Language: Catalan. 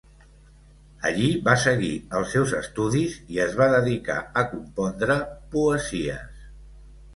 Allí va seguir els seus estudis i es va dedicar a compondre poesies.